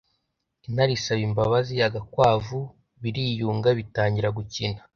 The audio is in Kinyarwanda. intare isaba imbabazi agakwavu, biriyunga bitangira gukina.